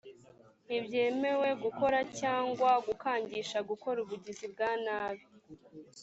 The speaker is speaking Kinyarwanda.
ntibyemewe gukora cyangwa gukangisha gukora ubugizi bwanabi